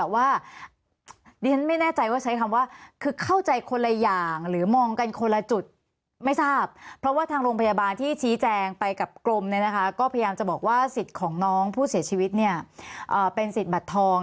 ว่าสิทธิ์ของน้องผู้เสียชีวิตเนี่ยเป็นสิทธิ์บัตรทอง